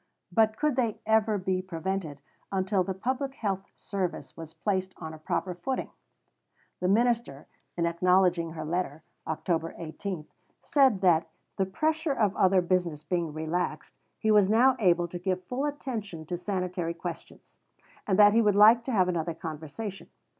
But could they ever be prevented until the Public Health Service was placed on a proper footing? The minister, in acknowledging her letter (Oct. 18), said that, the pressure of other business being relaxed, he was now able to give full attention to sanitary questions, and that he would like to have another conversation.